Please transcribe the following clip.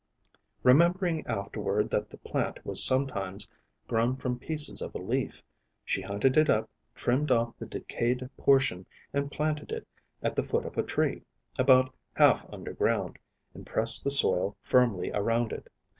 Remembering afterward that the plant was sometimes grown from pieces of a leaf, she hunted it up, trimmed off the decayed portion, and planted it at the foot of a tree, about half under ground, and pressed the soil firmly around it.